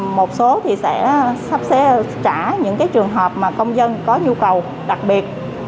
rồi một số thì sẽ sắp xếp trả những cái trường hợp mà công dân có nhu cầu đặc biệt